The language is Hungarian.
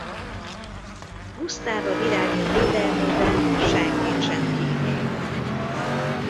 Gusztáv a virágja védelmében senkit sem kímél.